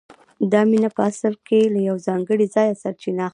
دا مینه په اصل کې له یو ځانګړي ځایه سرچینه اخلي